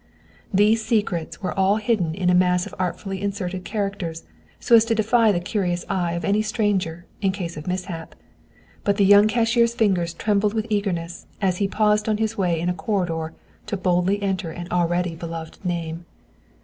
These secrets were all hidden in a mass of artfully inserted characters so as to defy the curious eye of any stranger in case of mishap, but the young cashier's fingers trembled with eagerness as he had paused on his way in a corridor to boldly enter an already beloved name.